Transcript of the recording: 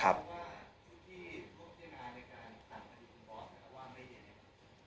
คุณบอกว่าทุกที่พบเชื่องานในการตามคดีของบอสแต่ว่าไม่เห็น